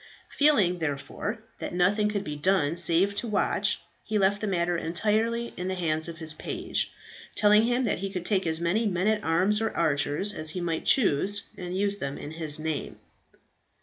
Feeling, therefore, that nothing could be done save to watch, he left the matter entirely in the hands of his page, telling him that he could take as many men at arms or archers as he might choose and use them in his name.